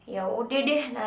ya udah deh